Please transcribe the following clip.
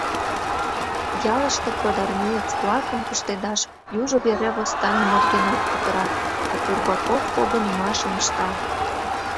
Ялыште продармеец-влакым пуштедаш южо вере восстаний нергенат кутырат, а Турбаков погынымашым ышта!